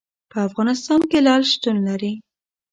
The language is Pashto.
په افغانستان کې لعل شتون لري.